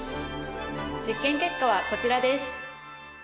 実験結果はこちらです。